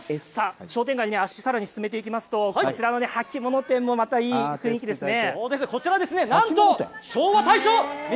商店街足、さらに進めていきますとあちらの履物店もいい雰囲気ですね。